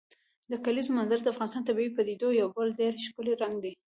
د کلیزو منظره د افغانستان د طبیعي پدیدو یو بل ډېر ښکلی رنګ دی.